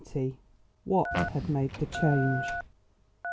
XX WHAT HAD MADE THE CHANGE?